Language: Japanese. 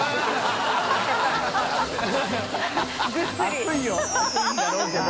熱いよ熱いんだろうけど。